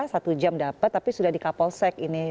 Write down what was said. satu jam dapat tapi sudah di kapolsek ini